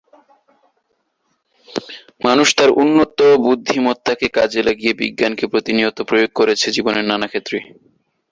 মানুষ তার উন্নত বুদ্ধিমত্তাকে কাজে লাগিয়ে বিজ্ঞানকে প্রতিনিয়ত প্রয়োগ করেছে জীবনের নানা ক্ষেত্রে।